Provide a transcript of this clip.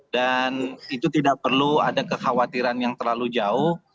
dan itu tidak perlu ada kekhawatiran yang terlalu jauh